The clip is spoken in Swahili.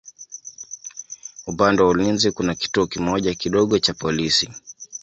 Upande wa ulinzi kuna kituo kimoja kidogo cha polisi.